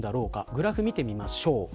グラフを見てみましょう。